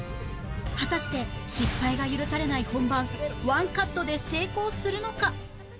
果たして失敗が許されない本番ワンカットで成功するのか？